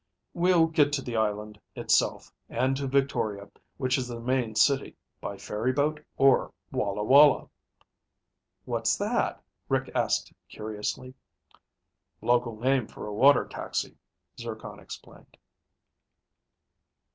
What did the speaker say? We'll get to the island itself, and to Victoria, which is the main city, by ferry boat or walla walla." "What's that?" Rick asked curiously. "Local name for a water taxi," Zircon explained.